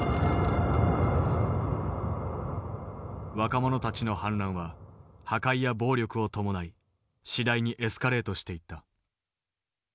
若者たちの反乱は破壊や暴力を伴い次第にエスカレートしていった。